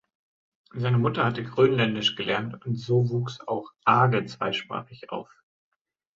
Seine Mutter hatte Grönländisch gelernt und so wuchs auch Aage zweisprachig auf.